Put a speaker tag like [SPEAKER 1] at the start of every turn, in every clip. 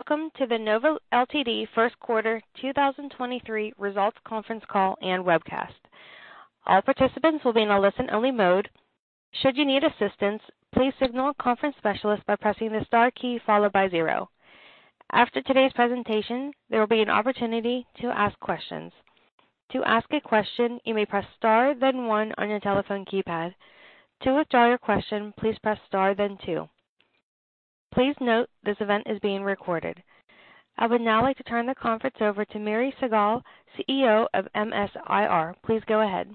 [SPEAKER 1] Welcome to the Nova Ltd. First Quarter 2023 Results Conference Call and Webcast. All participants will be in a listen-only mode. Should you need assistance, please signal a conference specialist by pressing the star key followed by zero. After today's presentation, there will be an opportunity to ask questions. To ask a question, you may press star then 1 on your telephone keypad. To withdraw your question, please press star then two. Please note this event is being recorded. I would now like to turn the conference over to Miri Segal, CEO of MS-IR. Please go ahead.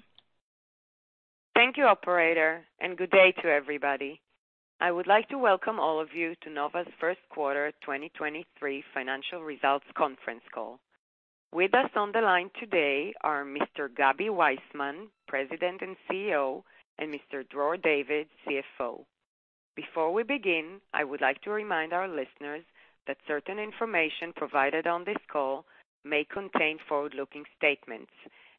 [SPEAKER 2] Thank you, operator, and good day to everybody. I would like to welcome all of you to Nova's first quarter 2023 financial results conference call. With us on the line today are Mr. Gaby Waisman, President and CEO, and Mr. Dror David, CFO. Before we begin, I would like to remind our listeners that certain information provided on this call may contain forward-looking statements,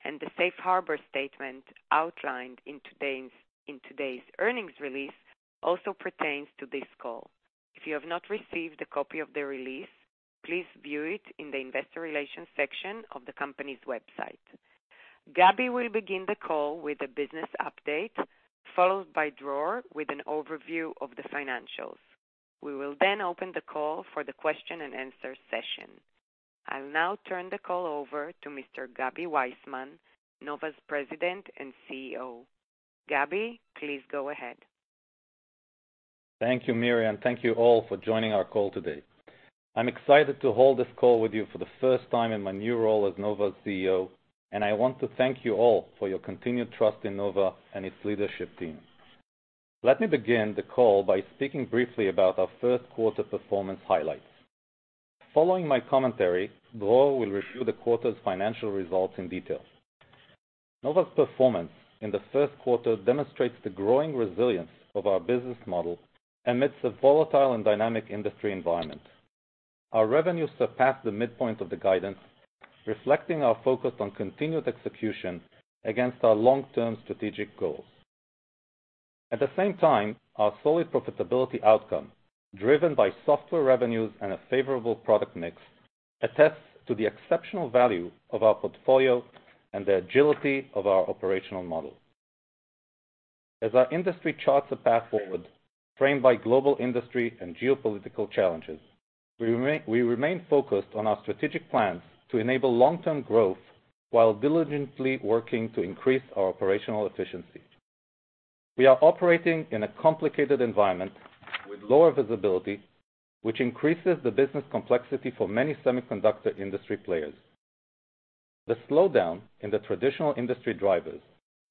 [SPEAKER 2] and the safe harbor statement outlined in today's earnings release also pertains to this call. If you have not received a copy of the release, please view it in the investor relations section of the company's website. Gaby will begin the call with a business update, followed by Dror with an overview of the financials. We will then open the call for the question-and-answer session. I'll now turn the call over to Mr. Gaby Waisman, Nova's President and CEO. Gaby, please go ahead.
[SPEAKER 3] Thank you, Miri, and thank you all for joining our call today. I'm excited to hold this call with you for the first time in my new role as Nova's CEO, and I want to thank you all for your continued trust in Nova and its leadership team. Let me begin the call by speaking briefly about our first quarter performance highlights. Following my commentary, Dror will review the quarter's financial results in detail. Nova's performance in the first quarter demonstrates the growing resilience of our business model amidst a volatile and dynamic industry environment. Our revenues surpassed the midpoint of the guidance, reflecting our focus on continued execution against our long-term strategic goals. At the same time, our solid profitability outcome, driven by software revenues and a favorable product mix, attests to the exceptional value of our portfolio and the agility of our operational model. As our industry charts a path forward, framed by global industry and geopolitical challenges, we remain focused on our strategic plans to enable long-term growth while diligently working to increase our operational efficiency. We are operating in a complicated environment with lower visibility, which increases the business complexity for many semiconductor industry players. The slowdown in the traditional industry drivers,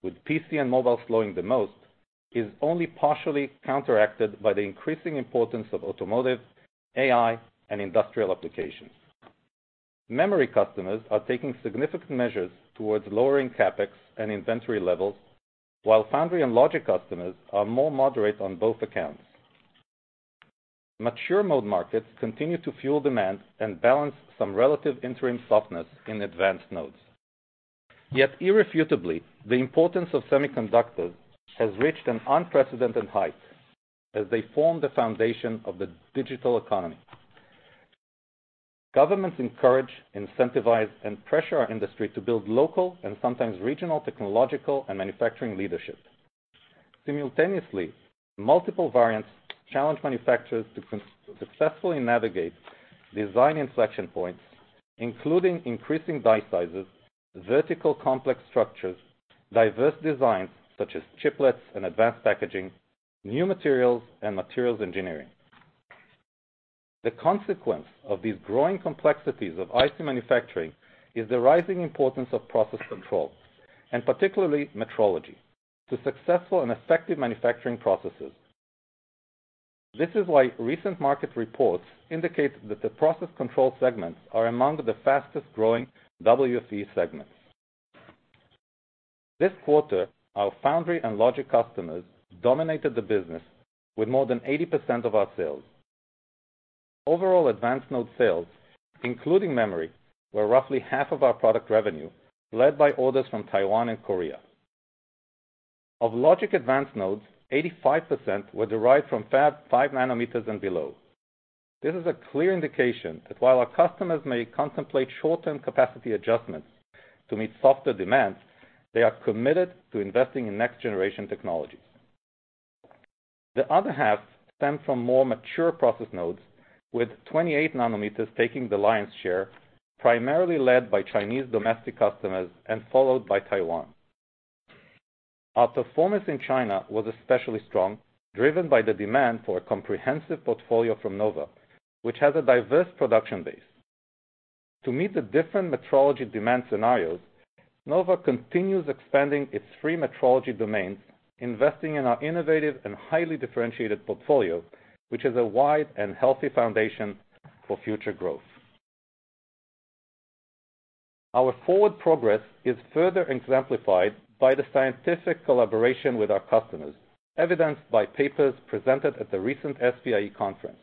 [SPEAKER 3] with PC and mobile slowing the most, is only partially counteracted by the increasing importance of automotive, AI, and industrial applications. Memory customers are taking significant measures towards lowering CapEx and inventory levels, while foundry and logic customers are more moderate on both accounts. Mature mode markets continue to fuel demand and balance some relative interim softness in advanced nodes. Irrefutably, the importance of semiconductors has reached an unprecedented height as they form the foundation of the digital economy. Governments encourage, incentivize, and pressure our industry to build local and sometimes regional technological and manufacturing leadership. Simultaneously, multiple variants challenge manufacturers to successfully navigate design inflection points, including increasing die sizes, vertical complex structures, diverse designs such as chiplets and advanced packaging, new materials, and materials engineering. The consequence of these growing complexities of IC manufacturing is the rising importance of process control, and particularly metrology, to successful and effective manufacturing processes. This is why recent market reports indicate that the process control segments are among the fastest-growing WFE segments. This quarter, our foundry and logic customers dominated the business with more than 80% of our sales. Overall advanced node sales, including memory, were roughly half of our product revenue, led by orders from Taiwan and Korea. Of logic advanced nodes, 85% were derived from fab 5 nanometers and below. This is a clear indication that while our customers may contemplate short-term capacity adjustments to meet softer demands, they are committed to investing in next-generation technologies. The other half stemmed from more mature process nodes, with 28 nanometers taking the lion's share, primarily led by Chinese domestic customers and followed by Taiwan. Our performance in China was especially strong, driven by the demand for a comprehensive portfolio from Nova, which has a diverse production base. To meet the different metrology demand scenarios, Nova continues expanding its three metrology domains, investing in our innovative and highly differentiated portfolio, which is a wide and healthy foundation for future growth. Our forward progress is further exemplified by the scientific collaboration with our customers, evidenced by papers presented at the recent SPIE conference.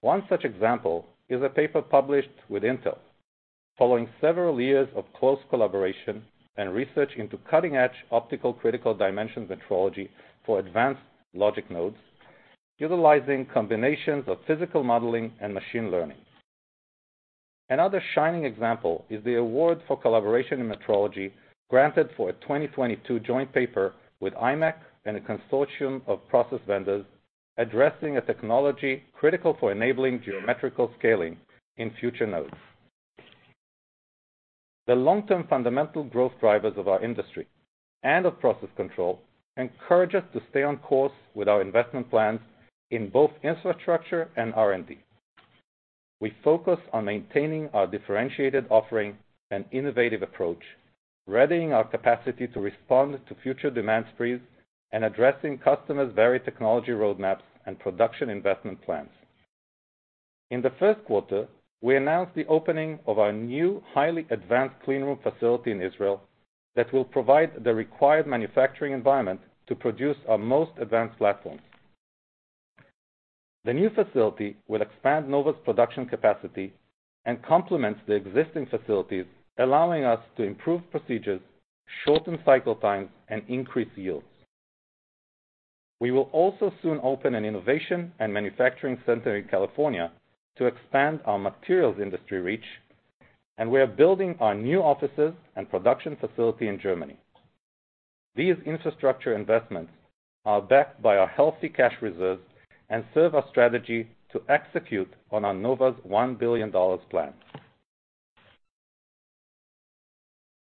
[SPEAKER 3] One such example is a paper published with Intel. Following several years of close collaboration and research into cutting-edge optical critical dimension metrology for advanced logic nodes, utilizing combinations of physical modeling and machine learning. Another shining example is the award for collaboration in metrology granted for a 2022 joint paper with imec and a consortium of process vendors addressing a technology critical for enabling geometrical scaling in future nodes. The long-term fundamental growth drivers of our industry and of process control encourage us to stay on course with our investment plans in both infrastructure and R&D. We focus on maintaining our differentiated offering and innovative approach, readying our capacity to respond to future demand sprees, and addressing customers' varied technology roadmaps and production investment plans. In the first quarter, we announced the opening of our new highly advanced cleanroom facility in Israel that will provide the required manufacturing environment to produce our most advanced platforms. The new facility will expand Nova's production capacity and complements the existing facilities, allowing us to improve procedures, shorten cycle times, and increase yields. We will also soon open an innovation and manufacturing center in California to expand our materials industry reach. We are building our new offices and production facility in Germany. These infrastructure investments are backed by our healthy cash reserves and serve our strategy to execute on our Nova's $1 billion plan.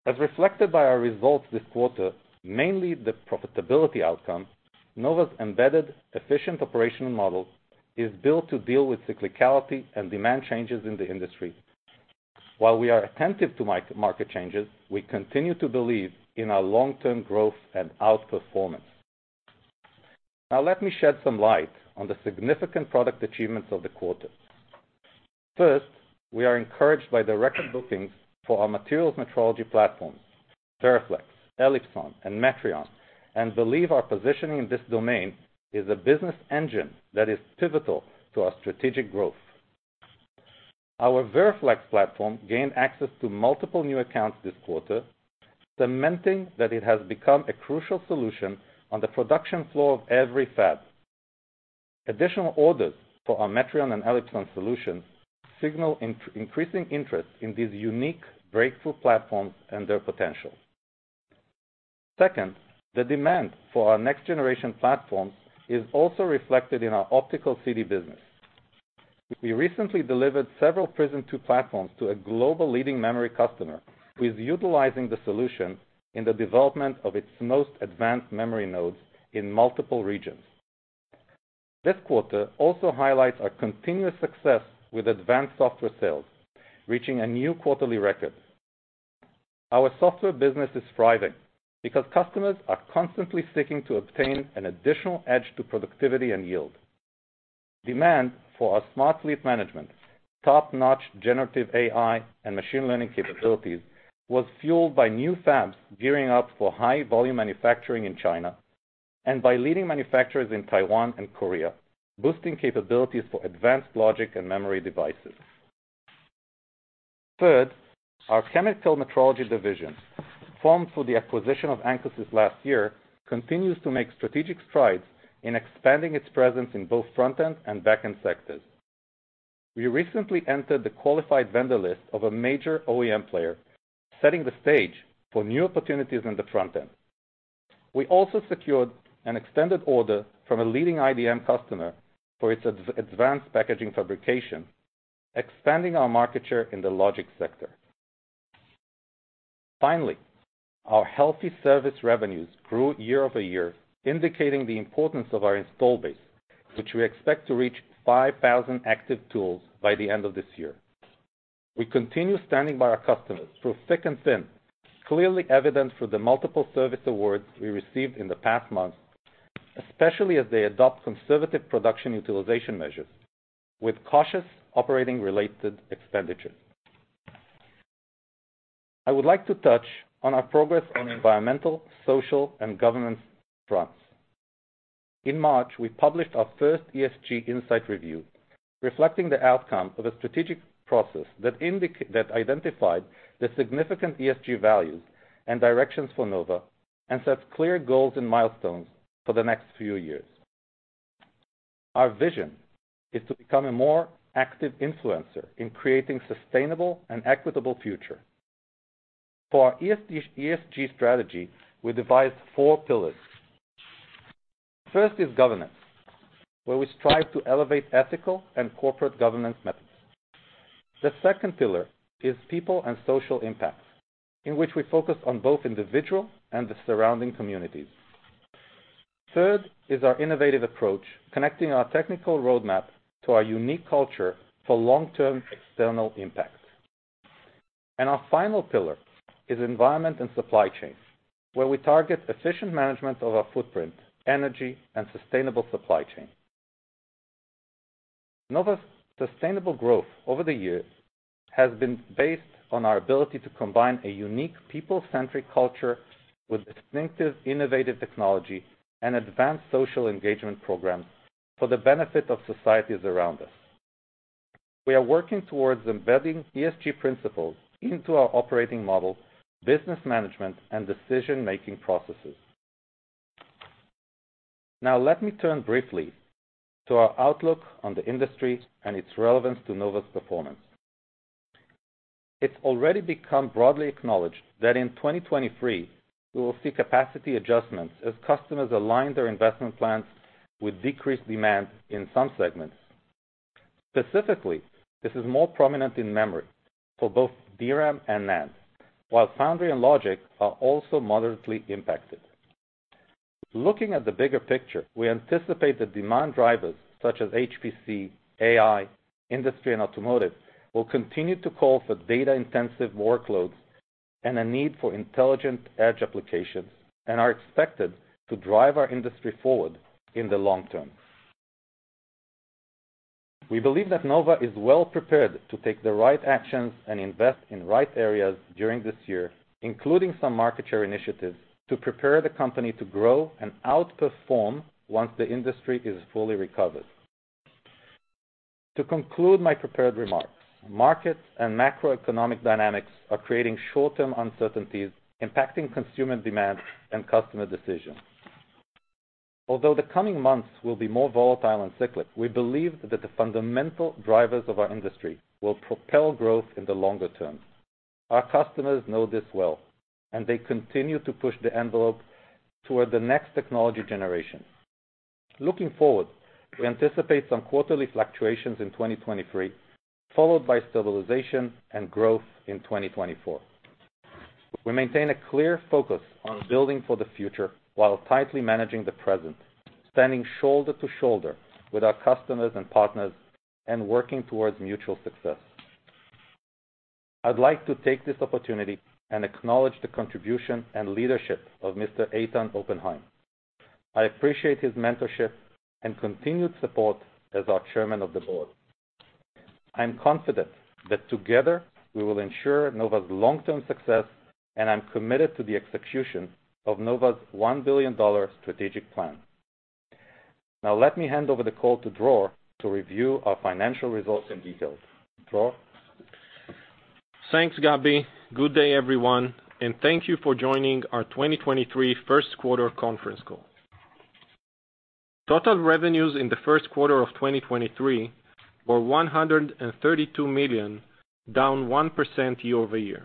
[SPEAKER 3] As reflected by our results this quarter, mainly the profitability outcome, Nova's embedded efficient operational model is built to deal with cyclicality and demand changes in the industry. While we are attentive to market changes, we continue to believe in our long-term growth and outperformance. Let me shed some light on the significant product achievements of the quarter. First, we are encouraged by the record bookings for our materials metrology platforms, VeraFlex, Elipson, and Metrion, and believe our positioning in this domain is a business engine that is pivotal to our strategic growth. Our VeraFlex platform gained access to multiple new accounts this quarter, cementing that it has become a crucial solution on the production floor of every fab. Additional orders for our Metrion and Elipson solutions signal increasing interest in these unique breakthrough platforms and their potential. Second, the demand for our next-generation platforms is also reflected in our optical CD business. We recently delivered several Nova Prism 2 platforms to a global leading memory customer who is utilizing the solution in the development of its most advanced memory nodes in multiple regions. This quarter also highlights our continuous success with advanced software sales, reaching a new quarterly record. Our software business is thriving because customers are constantly seeking to obtain an additional edge to productivity and yield. Demand for our smart lead management, top-notch generative AI, and machine learning capabilities was fueled by new fabs gearing up for high volume manufacturing in China, and by leading manufacturers in Taiwan and Korea, boosting capabilities for advanced logic and memory devices. Third, our chemical metrology division, formed through the acquisition of ancosys last year, continues to make strategic strides in expanding its presence in both front-end and back-end sectors. We recently entered the qualified vendor list of a major OEM, setting the stage for new opportunities in the front end. We also secured an extended order from a leading IDM customer for its advanced packaging fabrication, expanding our market share in the logic sector. Finally, our healthy service revenues grew year-over-year, indicating the importance of our install base, which we expect to reach 5,000 active tools by the end of this year. We continue standing by our customers through thick and thin, clearly evident through the multiple service awards we received in the past months, especially as they adopt conservative production utilization measures with cautious operating-related expenditures. I would like to touch on our progress on environmental, social, and governance fronts. In March, we published our first ESG insight review, reflecting the outcome of a strategic process that identified the significant ESG values and directions for Nova and set clear goals and milestones for the next few years. Our vision is to become a more active influencer in creating sustainable and equitable future. For our ESG strategy, we devised four pillars. First is governance, where we strive to elevate ethical and corporate governance methods. The second pillar is people and social impact, in which we focus on both individual and the surrounding communities. Third is our innovative approach, connecting our technical roadmap to our unique culture for long-term external impact. Our final pillar is environment and supply chains, where we target efficient management of our footprint, energy, and sustainable supply chain. Nova's sustainable growth over the years has been based on our ability to combine a unique people-centric culture with distinctive innovative technology and advanced social engagement programs. For the benefit of societies around us. We are working towards embedding ESG principles into our operating model, business management, and decision-making processes. Let me turn briefly to our outlook on the industry and its relevance to Nova's performance. It's already become broadly acknowledged that in 2023, we will see capacity adjustments as customers align their investment plans with decreased demand in some segments. Specifically, this is more prominent in memory for both DRAM and NAND, while foundry and logic are also moderately impacted. Looking at the bigger picture, we anticipate the demand drivers such as HPC, AI, industry, and automotive will continue to call for data-intensive workloads and a need for intelligent edge applications and are expected to drive our industry forward in the long term. We believe that Nova is well-prepared to take the right actions and invest in right areas during this year, including some market share initiatives to prepare the company to grow and outperform once the industry is fully recovered. To conclude my prepared remarks, markets and macroeconomic dynamics are creating short-term uncertainties, impacting consumer demand and customer decisions. Although the coming months will be more volatile and cyclic, we believe that the fundamental drivers of our industry will propel growth in the longer term. Our customers know this well, and they continue to push the envelope toward the next technology generation. Looking forward, we anticipate some quarterly fluctuations in 2023, followed by stabilization and growth in 2024. We maintain a clear focus on building for the future while tightly managing the present, standing shoulder to shoulder with our customers and partners and working towards mutual success. I'd like to take this opportunity and acknowledge the contribution and leadership of Mr. Eitan Oppenheim. I appreciate his mentorship and continued support as our chairman of the board. I am confident that together, we will ensure Nova's long-term success, and I'm committed to the execution of Nova's $1 billion strategic plan. Now let me hand over the call to Dror to review our financial results in detail. Dror?
[SPEAKER 4] Thanks, Gaby. Good day, everyone, thank you for joining our 2023 first quarter conference call. Total revenues in the first quarter of 2023 were $132 million, down 1% year-over-year.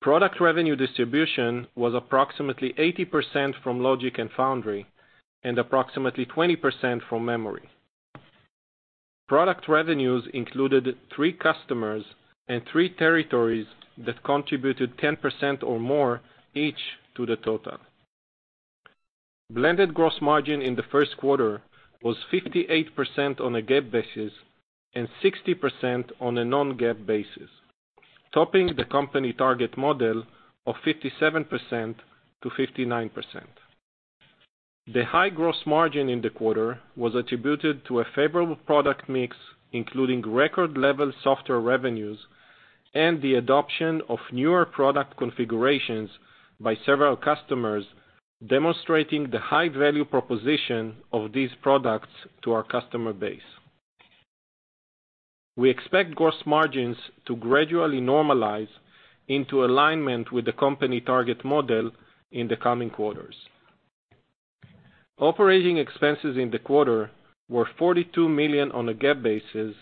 [SPEAKER 4] Product revenue distribution was approximately 80% from logic and foundry and approximately 20% from memory. Product revenues included three customers and three territories that contributed 10% or more each to the total. Blended gross margin in the first quarter was 58% on a GAAP basis and 60% on a non-GAAP basis, topping the company target model of 57%-59%. The high gross margin in the quarter was attributed to a favorable product mix, including record-level software revenues and the adoption of newer product configurations by several customers, demonstrating the high-value proposition of these products to our customer base. We expect gross margins to gradually normalize into alignment with the company target model in the coming quarters. Operating expenses in the quarter were $42 million on a GAAP basis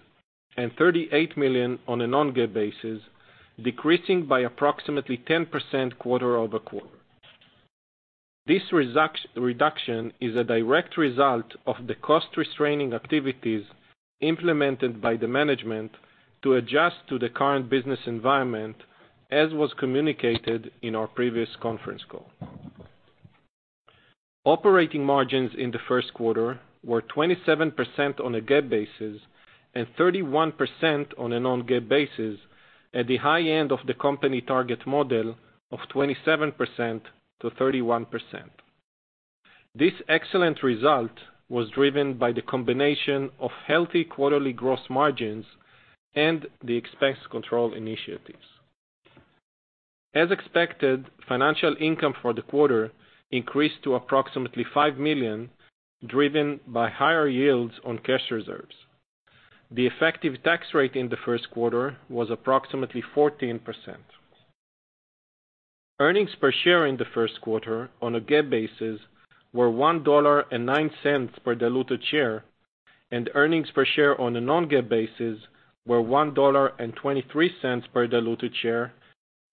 [SPEAKER 4] and $38 million on a non-GAAP basis, decreasing by approximately 10% quarter-over-quarter. This reduction is a direct result of the cost-restraining activities implemented by the management to adjust to the current business environment, as was communicated in our previous conference call. Operating margins in the first quarter were 27% on a GAAP basis and 31% on a non-GAAP basis at the high end of the company target model of 27%-31%. This excellent result was driven by the combination of healthy quarterly gross margins and the expense control initiatives. As expected, financial income for the quarter increased to approximately $5 million, driven by higher yields on cash reserves. The effective tax rate in the first quarter was approximately 14%. Earnings per share in the first quarter on a GAAP basis were $1.09 per diluted share, earnings per share on a non-GAAP basis were $1.23 per diluted share,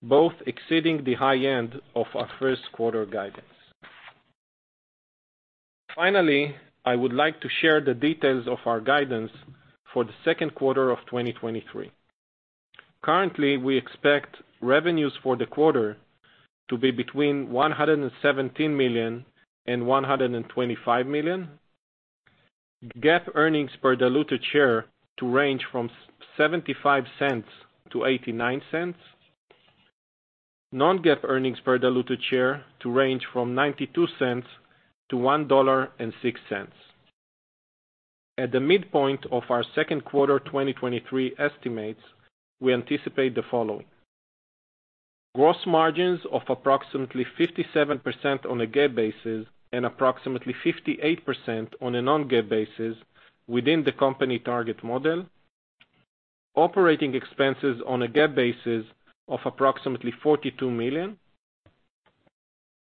[SPEAKER 4] both exceeding the high end of our first quarter guidance. Finally, I would like to share the details of our guidance for the second quarter of 2023. Currently, we expect revenues for the quarter to be between $117 million and $125 million. GAAP earnings per diluted share to range from $0.75 to $0.89. Non-GAAP earnings per diluted share to range from $0.92 to $1.06. At the midpoint of our second quarter 2023 estimates, we anticipate the following. Gross margins of approximately 57% on a GAAP basis and approximately 58% on a non-GAAP basis within the company target model. Operating expenses on a GAAP basis of approximately $42 million.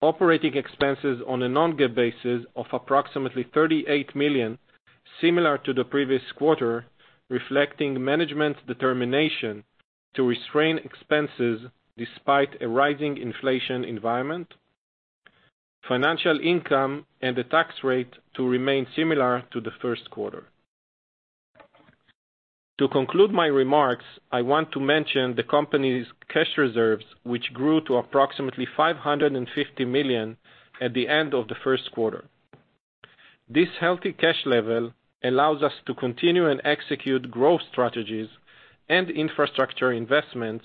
[SPEAKER 4] Operating expenses on a non-GAAP basis of approximately $38 million, similar to the previous quarter, reflecting management's determination to restrain expenses despite a rising inflation environment. Financial income and the tax rate to remain similar to the first quarter. To conclude my remarks, I want to mention the company's cash reserves, which grew to approximately $550 million at the end of the first quarter. This healthy cash level allows us to continue and execute growth strategies and infrastructure investments,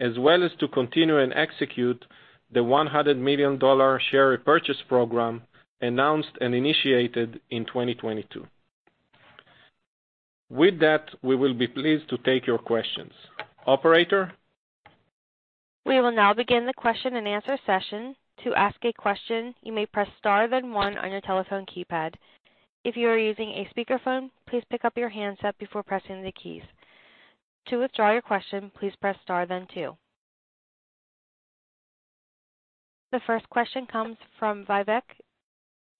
[SPEAKER 4] as well as to continue and execute the $100 million share repurchase program announced and initiated in 2022. With that, we will be pleased to take your questions. Operator?
[SPEAKER 1] We will now begin the question-and-answer session. To ask a question, you may press Star, then one on your telephone keypad. If you are using a speakerphone, please pick up your handset before pressing the keys. To withdraw your question, please press Star then two. The first question comes from Vivek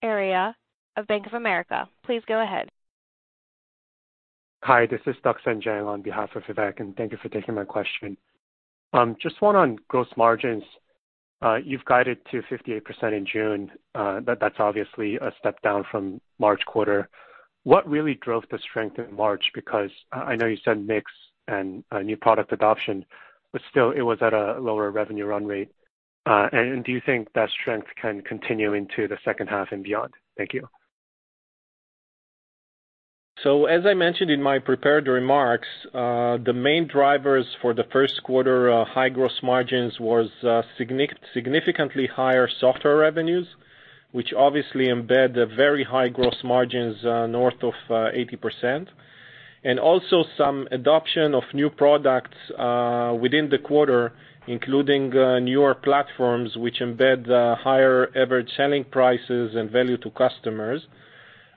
[SPEAKER 1] Arya of Bank of America. Please go ahead.
[SPEAKER 5] Hi, this is Dakshanjaya on behalf of Vivek, and thank you for taking my question. Just one on gross margins. You've guided to 58% in June, but that's obviously a step down from March quarter. What really drove the strength in March? I know you said mix and new product adoption, but still it was at a lower revenue run rate. Do you think that strength can continue into the second half and beyond? Thank you.
[SPEAKER 4] As I mentioned in my prepared remarks, the main drivers for the first quarter, high gross margins was significantly higher software revenues, which obviously embed the very high gross margins, north of 80%, and also some adoption of new products within the quarter, including newer platforms which embed the higher average selling prices and value to customers.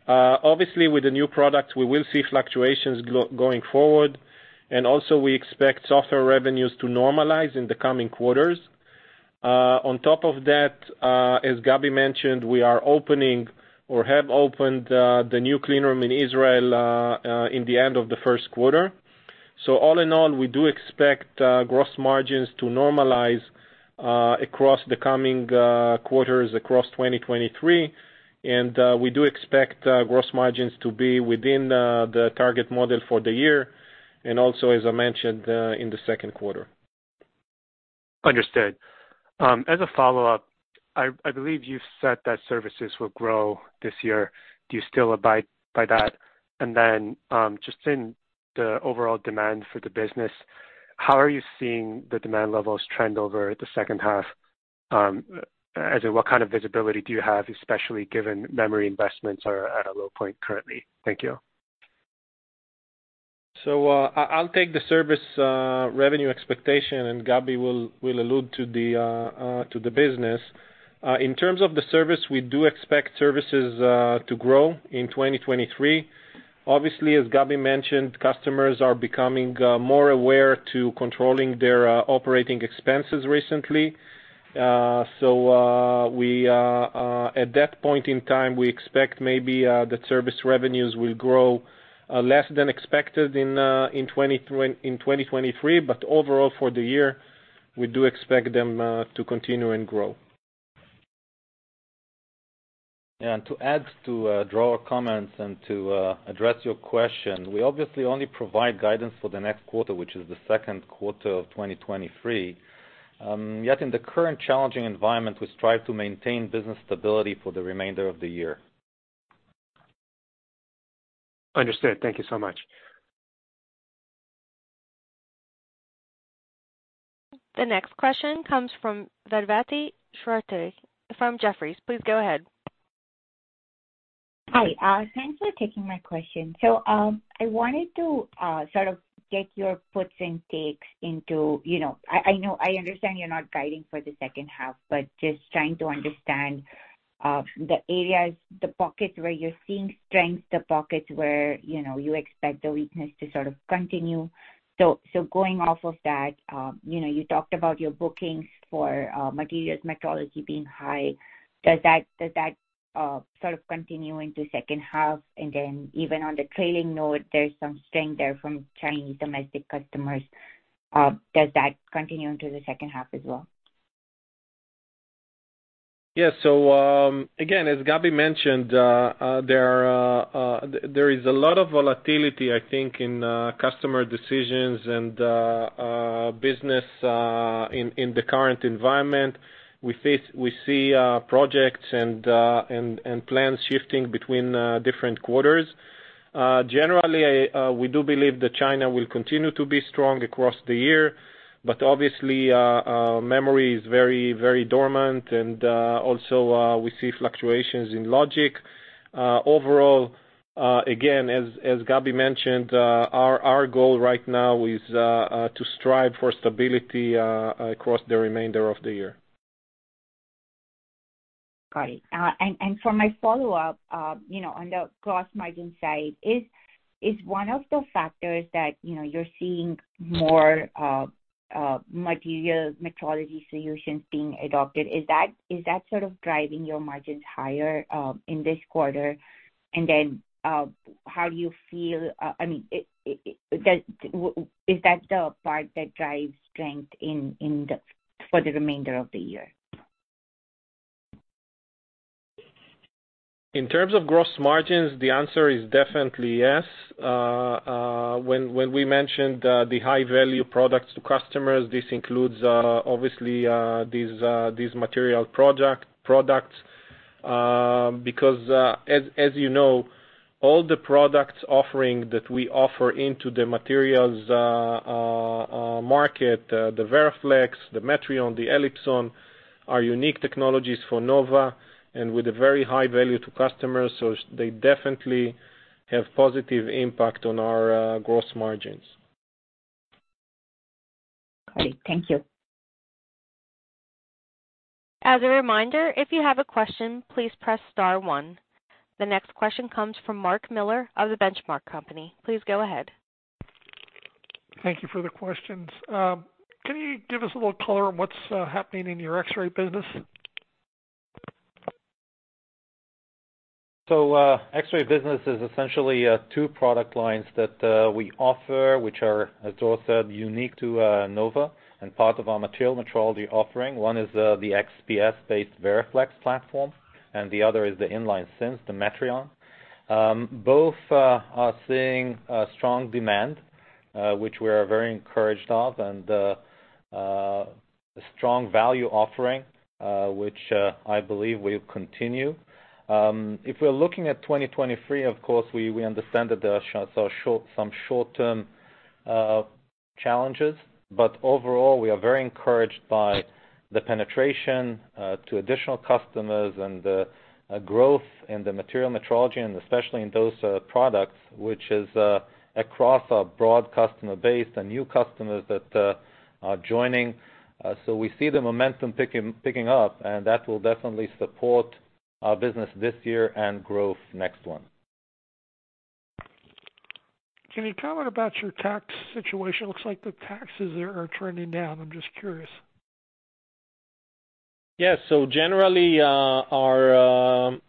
[SPEAKER 4] Obviously with the new product, we will see fluctuations going forward, and also we expect software revenues to normalize in the coming quarters. On top of that, as Gaby mentioned, we are opening or have opened the new clean room in Israel in the end of the first quarter. All in all, we do expect gross margins to normalize across the coming quarters across 2023. We do expect gross margins to be within the target model for the year and also, as I mentioned, in the second quarter.
[SPEAKER 5] Understood. As a follow-up, I believe you said that services will grow this year. Do you still abide by that? Just in the overall demand for the business, how are you seeing the demand levels trend over the second half? As in what kind of visibility do you have, especially given memory investments are at a low point currently? Thank you.
[SPEAKER 4] I'll take the service revenue expectation, and Gaby will allude to the business. In terms of the service, we do expect services to grow in 2023. Obviously, as Gaby mentioned, customers are becoming more aware to controlling their operating expenses recently. We at that point in time, we expect maybe that service revenues will grow less than expected in 2023. Overall for the year, we do expect them to continue and grow.
[SPEAKER 3] To add to Dror comments and to address your question, we obviously only provide guidance for the next quarter, which is the second quarter of 2023. Yet in the current challenging environment, we strive to maintain business stability for the remainder of the year.
[SPEAKER 5] Understood. Thank you so much.
[SPEAKER 1] The next question comes from Parvati Shrote from Jefferies. Please go ahead.
[SPEAKER 6] Hi. Thanks for taking my question. I wanted to sort of get your puts and takes into, you know, I know, I understand you're not guiding for the second half, but just trying to understand the areas, the pockets where you're seeing strength, the pockets where, you know, you expect the weakness to sort of continue. Going off of that, you know, you talked about your bookings for materials metrology being high. Does that sort of continue into second half? Even on the trailing note, there's some strength there from Chinese domestic customers. Does that continue into the second half as well?
[SPEAKER 4] Again, as Gaby mentioned, there is a lot of volatility, I think in customer decisions and business in the current environment. We see projects and plans shifting between different quarters. Generally, we do believe that China will continue to be strong across the year, but obviously, memory is very, very dormant and also we see fluctuations in logic. Again, as Gaby mentioned, our goal right now is to strive for stability across the remainder of the year.
[SPEAKER 6] Got it. For my follow-up, you know, on the gross margin side, is one of the factors that, you know, you're seeing more material metrology solutions being adopted, is that sort of driving your margins higher in this quarter? Then, how do you feel, I mean, is that the part that drives strength in for the remainder of the year?
[SPEAKER 4] In terms of gross margins, the answer is definitely yes. When we mentioned the high-value products to customers, this includes obviously these material products. Because as you know, all the products offering that we offer into the materials market, the VeraFlex, the Metrion, the Elipson, are unique technologies for Nova and with a very high value to customers, so they definitely have positive impact on our gross margins.
[SPEAKER 6] Great. Thank you.
[SPEAKER 1] As a reminder, if you have a question, please press star one. The next question comes from Mark Miller of The Benchmark Company. Please go ahead.
[SPEAKER 7] Thank you for the questions. Can you give us a little color on what's happening in your X-ray business?
[SPEAKER 4] X-ray business is essentially two product lines that we offer, which are, as Dror said, unique to Nova and part of our material metrology offering. One is the XPS-based VeraFlex platform, and the other is the in-line SIMS, the Metrion. Both are seeing strong demand, which we are very encouraged of, and strong value offering, which I believe will continue. If we're looking at 2023, of course, we understand that there are some short-term challenges. Overall, we are very encouraged by the penetration to additional customers and the growth in the material metrology, and especially in those products, which is across our broad customer base and new customers that are joining. We see the momentum picking up, and that will definitely support our business this year and growth next one.
[SPEAKER 7] Can you comment about your tax situation? Looks like the taxes are trending down. I'm just curious.
[SPEAKER 4] Generally, our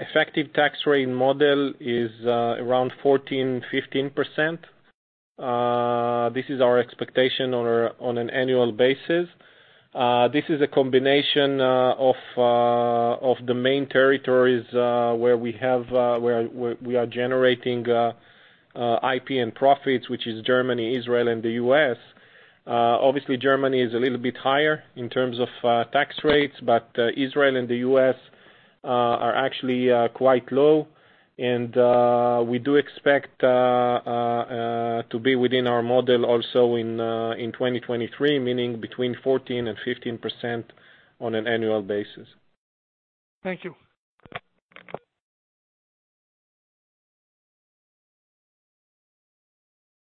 [SPEAKER 4] effective tax rate model is around 14%-15%. This is our expectation on an annual basis. This is a combination of the main territories where we have, where we are generating IP and profits, which is Germany, Israel, and the U.S. Obviously, Germany is a little bit higher in terms of tax rates, but Israel and the U.S. are actually quite low. We do expect to be within our model also in 2023, meaning between 14% and 15% on an annual basis.
[SPEAKER 7] Thank you.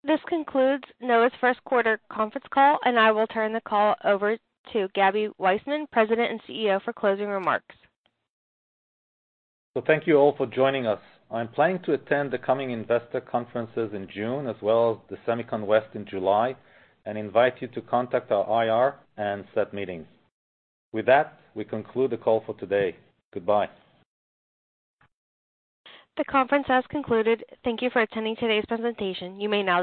[SPEAKER 1] This concludes Nova's first quarter conference call, and I will turn the call over to Gaby Waisman, President and CEO, for closing remarks.
[SPEAKER 4] Thank you all for joining us. I'm planning to attend the coming investor conferences in June as well as the SEMICON West in July and invite you to contact our IR and set meetings. With that, we conclude the call for today. Goodbye.
[SPEAKER 1] The conference has concluded. Thank you for attending today's presentation. You may now disconnect.